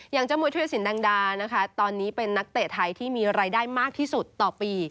อย่างเจ้ามวยธุรสินดังดานะคะตอนนี้เป็นนักเตะไทยที่มีรายได้มากที่สุดต่อปี